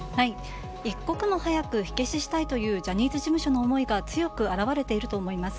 一刻も早く火消したいというジャニーズ事務所の思いが強く表れていると思います。